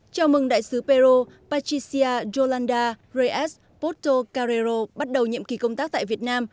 chào mừng đại sứ peru patricia yolanda reyes porto carrero bắt đầu nhiệm kỳ công tác tại việt nam